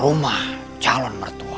rumah calon mertua